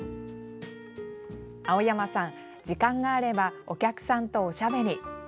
青山さん、時間があればお客さんとおしゃべり。